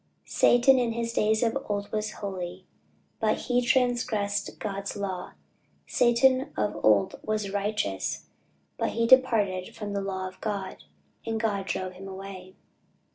"Satan in days of old was holy, But he transgressed God's law; Satan of old was righteous, But he departed from the law of God, And God drove him away."